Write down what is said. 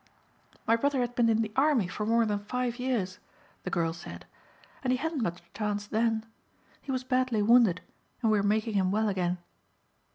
"My brother has been in the army for more than five years," the girl said, "and he hadn't much chance then. He was badly wounded and we are making him well again."